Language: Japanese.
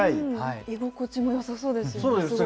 居心地もよさそうですよねすごく。